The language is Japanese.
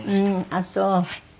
あっそう。